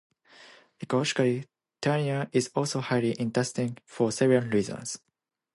Ecologically, Teeraina is also highly interesting, for several reasons.